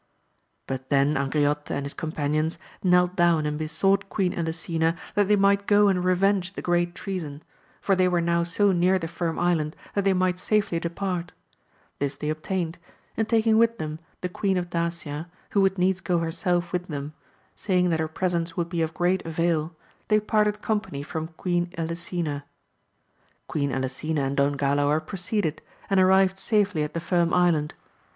But then Angriote and his com panions knelt down and besought Queen Elisena that AMADIS OF GAUL. 267 they might go and revenge the great treason ; for they were now so near the Firm Island that they might safely depart: this they obtained; and taking with them the Queen of Dacia, who would needs go herself with them, saying that her presence would be of great avail, they parted company from Queen Elisena. Queen Elisena and Don Galaor proceeded, and ar rived safely at the Firm Island.